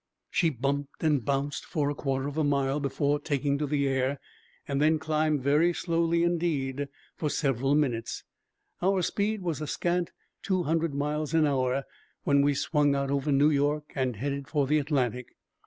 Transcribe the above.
She bumped and bounced for a quarter mile before taking to the air and then climbed very slowly indeed, for several minutes. Our speed was a scant two hundred miles an hour when we swung out over New York and headed for the Atlantic.